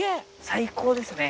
最高ですね。